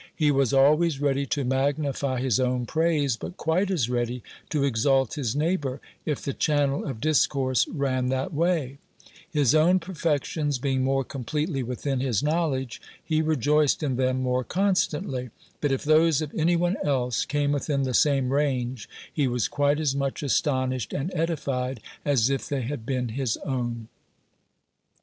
He was always ready to magnify his own praise, but quite as ready to exalt his neighbor, if the channel of discourse ran that way: his own perfections being more completely within his knowledge, he rejoiced in them more constantly; but, if those of any one else came within the same range, he was quite as much astonished and edified as if they had been his own.